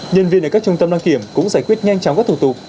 nhân viên ở các trung tâm đăng kiểm cũng giải quyết nhanh chóng các thủ tục